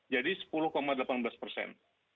jadi sepuluh delapan belas persen